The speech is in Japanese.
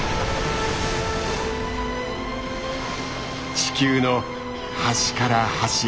地球の端から端へ。